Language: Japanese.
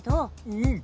うん。